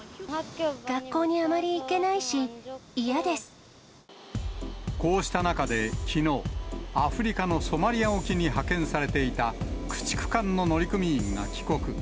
学校にあまり行けないし、こうした中できのう、アフリカのソマリア沖に派遣されていた駆逐艦の乗組員が帰国。